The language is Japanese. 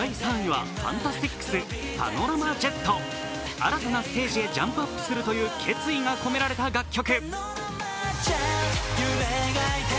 新たなステージへジャンプアップするという決意が込められた楽曲。